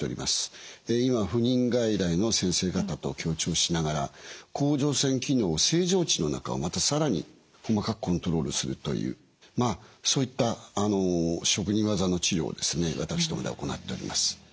今不妊外来の先生方と協調しながら甲状腺機能正常値の中をまた更に細かくコントロールするというまあそういった職人技の治療を私どもでは行っております。